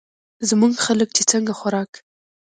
زمونږ خلک چې څنګه خوراک